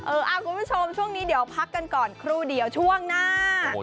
คุณผู้ชมช่วงนี้เดี๋ยวพักกันก่อนครู่เดียวช่วงหน้า